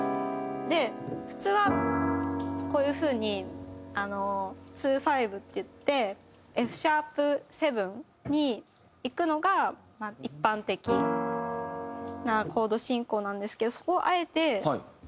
普通はこういう風にあのツーファイブっていってＦシャープセブンにいくのが一般的なコード進行なんですけどそこをあえて。